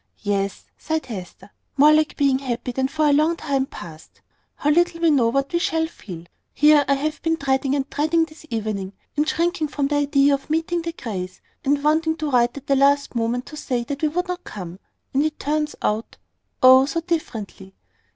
"Yes," sighed Hester; "more like being happy than for a long time past. How little we know what we shall feel! Here have I been dreading and dreading this evening, and shrinking from the idea of meeting the Greys, and wanting to write at the last moment to say that we would not come; and it turns out Oh, so differently!